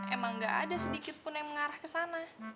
emang enggak ada sedikitpun yang mengarah ke sana